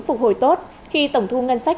phục hồi tốt khi tổng thu ngân sách